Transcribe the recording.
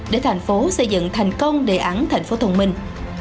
để thành phố xây dựng thành công đề án thành phố thông minh